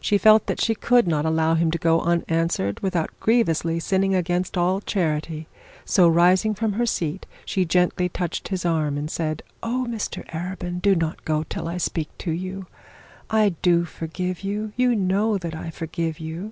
She felt that she could not allow him to go unanswered without grievously sinning against all charity; so, rising from her seat, she gently touched his arm and said: 'Oh, Mr Arabin, do not go till I speak to you! I do forgive you. You know that I forgive you.'